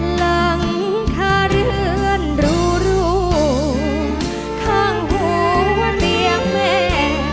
หลังคาเรือนรูข้างหัวเตียงแม่